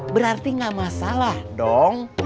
berarti nggak masalah dong